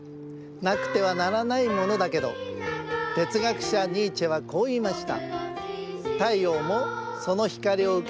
なくてはならないものだけどてつがくしゃニーチェはこういいました。